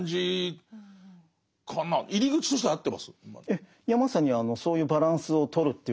ええ。